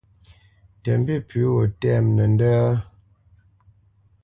Tə mbî pʉ̌ gho tɛ́mə nəndət?